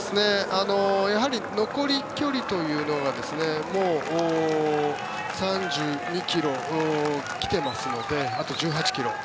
やはり残り距離というのは３２ｋｍに来てますのであと１８ｋｍ。